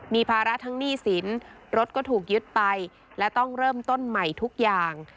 มีภาระทั้งหนี้สินรถก็ถูกยึดไปและต้องเริ่มต้นใหม่ทุกอย่าง